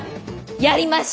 やりましょ！